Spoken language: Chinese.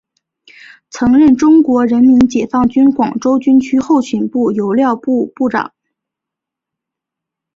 曾任中国人民解放军广州军区后勤部油料部部长。